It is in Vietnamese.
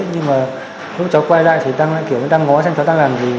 nhưng mà lúc cháu quay lại thì đăng lại kiểu đăng ngó xem cháu đang làm gì